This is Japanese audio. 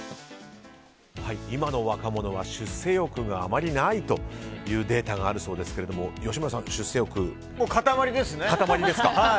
今の若者は出世欲があまりないというデータがあるそうですけども吉村さんはもう塊ですね。